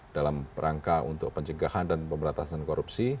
dalam rangka untuk pencegahan dan pemberantasan korupsi